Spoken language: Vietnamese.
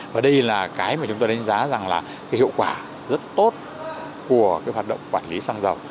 và đây là cái mà chúng ta đánh giá rằng là cái hiệu quả rất tốt của cái hoạt động quản lý sang giàu